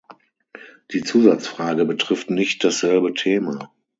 Die Zusatzfrage betrifft nicht dasselbe Thema.